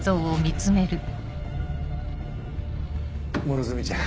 両角ちゃん